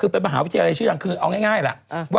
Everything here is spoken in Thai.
พ่อแม่ไม่รัก